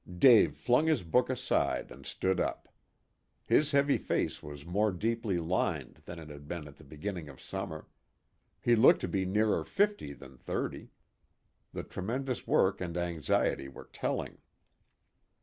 Dave flung his book aside and stood up. His heavy face was more deeply lined than it had been at the beginning of summer. He looked to be nearer fifty than thirty. The tremendous work and anxiety were telling.